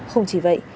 không chỉ vậy